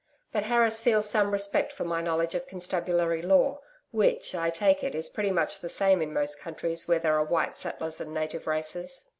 But Harris feels some respect for my knowledge of constabulary law, which, I take it, is pretty much the same in most countries where there are white settlers and native races.'